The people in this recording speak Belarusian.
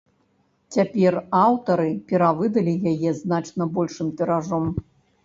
Цяпер аўтары перавыдалі яе значна большым тыражом.